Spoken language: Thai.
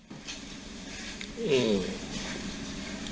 อืม